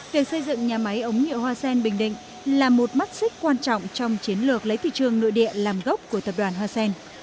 việc xây dựng nhà máy ống nhựa hoa sen bình định là một mắt xích quan trọng trong chiến lược lấy thị trường nội địa làm gốc của tập đoàn hoa sen